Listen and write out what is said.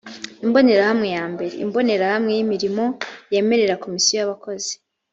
imbonerahamwe ya mbare imbonerahamwe y’imirimo yemerera komisiyo y’abakozi